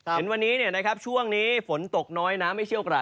เห็นวันนี้ช่วงนี้ฝนตกน้อยน้ำไม่เชี่ยวกระ